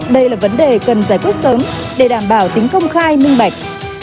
đây là vấn đề cần giải quyết sớm để đảm bảo tính công khai minh bạch